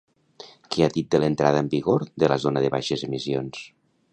Què ha dit de l'entrada en vigor de la Zona de Baixes Emissions?